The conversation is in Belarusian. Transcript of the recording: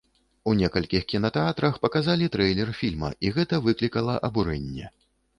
У некалькіх кінатэатрах паказалі трэйлер фільма, і гэта выклікала абурэнне.